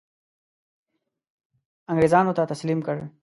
انګرېزانو ته تسلیم کړ.